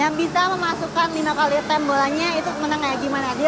yang bisa memasukkan lima kali attempt bolanya itu menang kayak gimana dio